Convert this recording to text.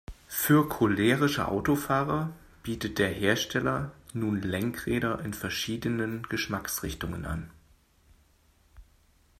Für cholerische Autofahrer bietet der Hersteller nun Lenkräder in verschiedenen Geschmacksrichtungen an.